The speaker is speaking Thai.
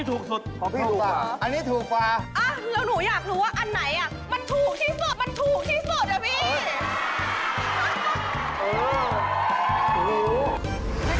แต่ไปเรียนภาษาบาลีเพิ่มเติม